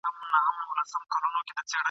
هر سيلاب يې بتشکن دی !.